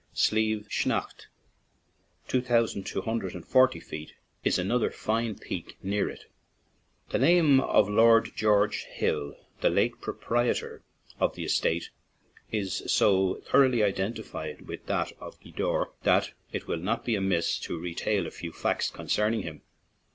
Slieve Snaght, two thousand two hundred and forty feet, is another fine peak near it. 40 GWEEDORE TO GLENTIES The name of Lord George Hill, the late proprietor of the estate, is so thoroughly identified with that of Gweedore that it will not be amiss to retail a few facts con cerning him.